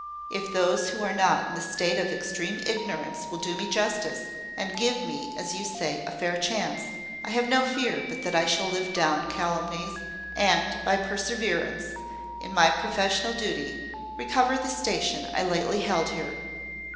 If those who are not in this state of extreme ignorance will do me justice, and give me, as you say, a fair chance, I have no fear but that I shall live down calumnies, and, by perseverance in my professional duty, recover the station I lately held here.